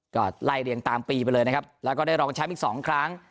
ก็ไล่เรียงตามปีไปเลยนะครับแล้วก็ได้รองแชมป์อีกสองครั้ง